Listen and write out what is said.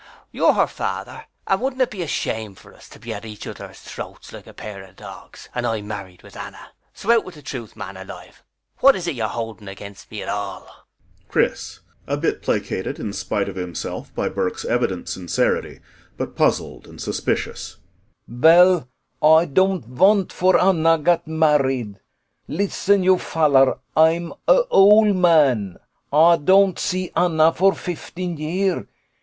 You're her father, and wouldn't it be a shame for us to be at each other's throats like a pair of dogs, and I married with Anna. So out with the truth, man alive. What is it you're holding against me at all? CHRIS [A bit placated, in spite of himself, by BURKE'S evident sincerity but puzzled and suspicious.] Vell Ay don't vant for Anna gat married. Listen, you fallar. Ay'm a ole man. Ay don't see Anna for fifteen year.